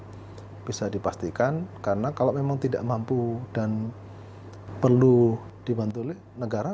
jadi lebih bisa dipastikan karena kalau memang tidak mampu dan perlu dibantu oleh negara